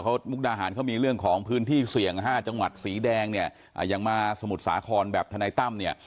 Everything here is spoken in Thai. เขามุกดาหารเขามีเรื่องของพื้นที่เสี่ยง๕จังหวัดสีแดงเนี่ยอย่างมาสมุทรสาครแบบทนายตั้มเนี่ย